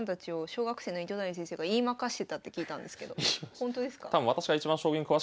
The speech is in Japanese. ほんとですか？